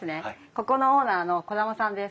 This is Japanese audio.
ここのオーナーの兒玉さんです。